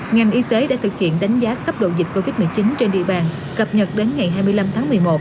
ngành y tế đã thực hiện đánh giá cấp độ dịch covid một mươi chín trên địa bàn cập nhật đến ngày hai mươi năm tháng một mươi một